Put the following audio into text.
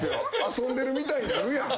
遊んでるみたいになるやん。